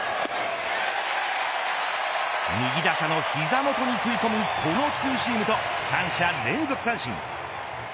右打者の膝元に食い込むこのツーシームと三者連続三振。